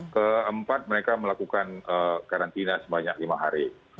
keempat mereka melakukan karantina sebanyak lima hari